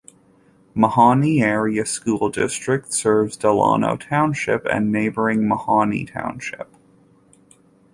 Mahanoy Area School District serves Delano Township and neighboring Mahanoy Township.